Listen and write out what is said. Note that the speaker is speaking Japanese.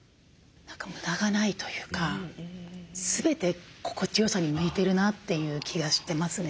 無駄がないというか全て心地よさに向いてるなという気がしてますね